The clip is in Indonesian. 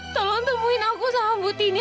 tolong temuin aku sama ibu tini